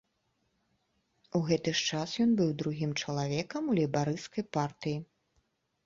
У гэты ж час ён быў другім чалавекам у лейбарысцкай партыі.